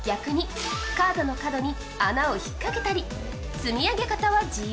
積み上げ方は自由。